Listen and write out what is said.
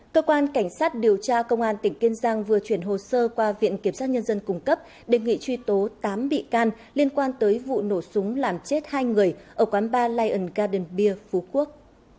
cơ quan cảnh sát điều tra công an tỉnh kiên giang vừa chuyển hồ sơ qua viện kiểm sát nhân dân cung cấp đề nghị truy tố tám bị can liên quan tới vụ nổ súng làm chết hai người ở quán ba lion garden bia phú quốc